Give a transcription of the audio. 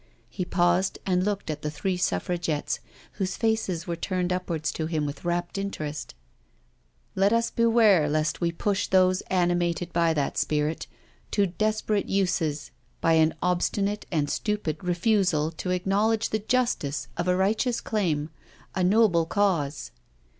He paused and looked at the three Suffragettes whose faces were turned upwards to him with wrapt interest. " Let us beware lest we push those animated by that spirit, to desperate uses by an obstinate and stupid refusal to acknowledge the justice of a righteous claim— a noble cause.